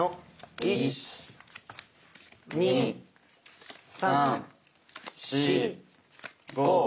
１２３４５！